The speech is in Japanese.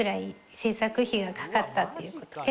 制作費がかかったっていうことで。